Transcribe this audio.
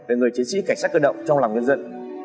về người chiến sĩ cảnh sát cơ động trong lòng nhân dân